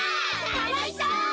たのしそう！